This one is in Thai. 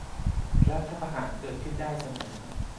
รัฐประหารเกิดขึ้นได้เสมอ